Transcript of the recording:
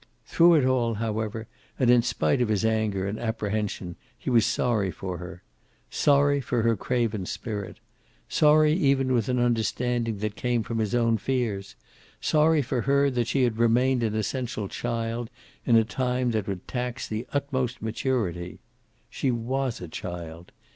Through it all, however, and in spite of his anger and apprehension, he was sorry for her. Sorry for her craven spirit. Sorry even with an understanding that came from his own fears. Sorry for her, that she had remained an essential child in a time that would tax the utmost maturity. She was a child.